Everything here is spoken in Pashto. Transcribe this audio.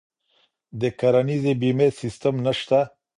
د کرنیزې بیمې سیستم نشته.